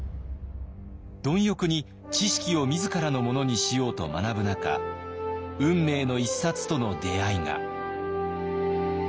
貪欲に知識を自らのものにしようと学ぶ中運命の一冊との出会いが。